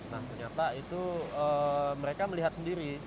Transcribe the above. nah ternyata itu mereka melihat sendiri